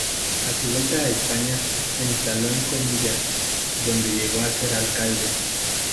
A su vuelta a España, se instaló en Comillas, donde llegó a ser alcalde.